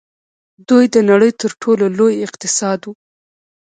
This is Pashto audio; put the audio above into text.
دوی د نړۍ تر ټولو لوی اقتصاد وو.